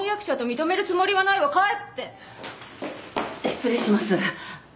失礼します。